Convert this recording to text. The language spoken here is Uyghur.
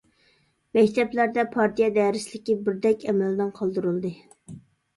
مەكتەپلەردە پارتىيە دەرسلىكى بىردەك ئەمەلدىن قالدۇرۇلدى.